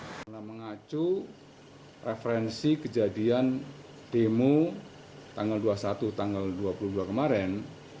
karena mengacu referensi kejadian demo tanggal dua puluh satu tanggal dua puluh dua kemarin